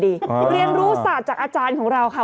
เรียนรู้ศาสตร์จากอาจารย์ของเราค่ะ